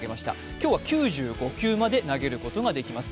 今日は９５球まで投げることができます。